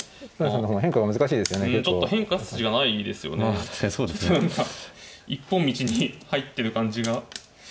いつの間にか一本道に入ってる感じが。